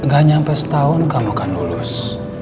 gak nyampe setahun kamu kan lulus